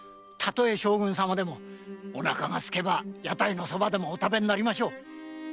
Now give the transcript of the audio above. たとえ将軍様でもおなかが空けば屋台の蕎麦でもお食べになりましょう。